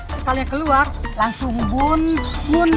sekalian keluar langsung bun bun